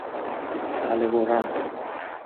بله بران